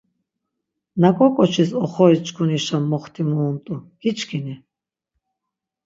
Naǩo ǩoçis oxori-çkunişa moxtimu unt̆u, giçkini?